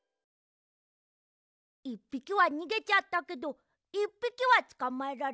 １ぴきはにげちゃったけど１ぴきはつかまえられた。